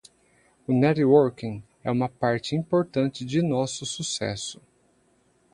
O networking é uma parte importante de nosso sucesso.